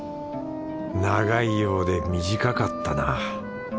長いようで短かったな。